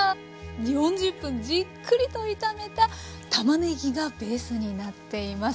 ４０分じっくりと炒めたたまねぎがベースになっています